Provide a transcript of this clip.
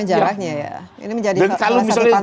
ini menjadi satu tantangan